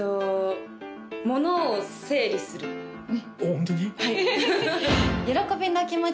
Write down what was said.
ホントに？